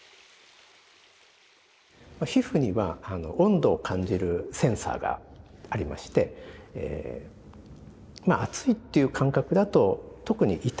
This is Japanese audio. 皮膚には温度を感じるセンサーがありまして熱いっていう感覚だと特に痛みと近い感覚なんですね。